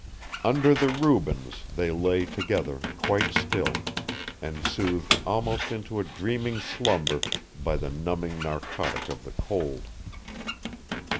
Under the Rubens they lay together quite still, and soothed almost into a dreaming slumber by the numbing narcotic of the cold.